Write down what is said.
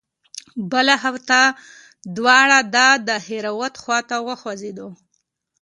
بله هفته دواړه د دهراوت خوا ته وخوځېدو.